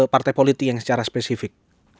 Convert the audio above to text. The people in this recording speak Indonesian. partai politik yang secara spesifik